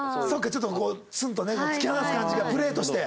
ちょっとこうツンとね突き放す感じがプレーとして。